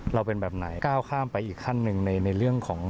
เราเป็นแบบไหนก้าวข้ามไปอีกขั้นหนึ่ง